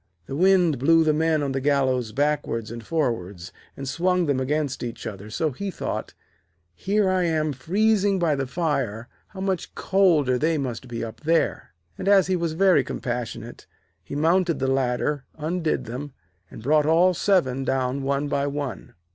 The wind blew the men on the gallows backwards and forwards, and swung them against each other, so he thought: 'Here am I freezing by the fire, how much colder they must be up there.' And as he was very compassionate, he mounted the ladder, undid them, and brought all seven down one by one.